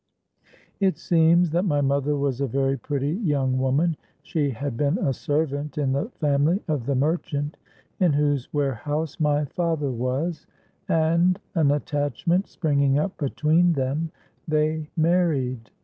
"It seems that my mother was a very pretty young woman. She had been a servant in the family of the merchant in whose warehouse my father was; and, an attachment, springing up between them, they married.